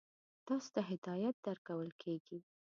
تاسو ته هدایت درکول کېږي.